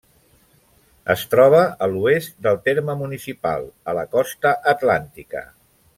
Es troba a l'oest del terme municipal, a la costa atlàntica.